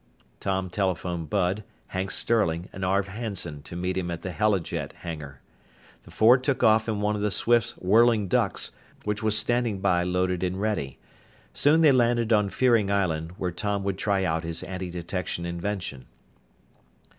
Tom telephoned Bud, Hank Sterling, and Arv Hanson to meet him at the helijet hangar. The four took off in one of the Swifts' Whirling Ducks, which was standing by loaded and ready. Soon they landed on Fearing Island, where Tom would try out his antidetection invention.